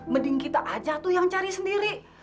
mending kita aja tuh yang cari sendiri